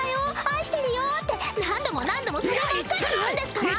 愛してるよ」って何度も何度もそればっかり言うんですから！